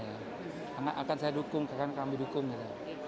karena akan saya dukung akan kami dukung